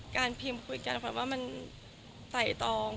การพีมคุยกันผล่านว่ามันแต่ตอง